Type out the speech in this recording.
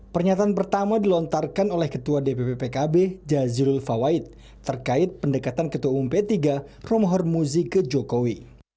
pernyataan pertama dilontarkan oleh ketua dpp pkb jazirul fawait terkait pendekatan ketua umum p tiga romahur muzi ke jokowi